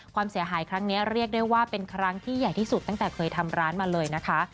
ความเสียหายครั้งนี้เรียกได้ว่าเป็นครั้งที่ใหญ่ที่สุดตั้งแต่เคยทำร้านมาเลยนะคะ